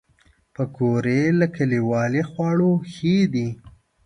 پکورې له کلیوالي خواړو ښې دي